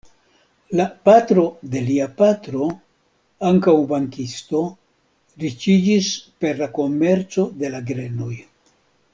La patro de lia patro, ankaŭ bankisto, riĉiĝis per la komerco de la grenoj.